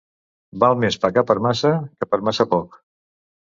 Val més pecar per massa que per massa poc.